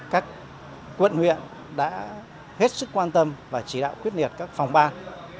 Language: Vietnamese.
các quận huyện đã hết sức quan tâm và chỉ đạo quyết liệt các phòng ban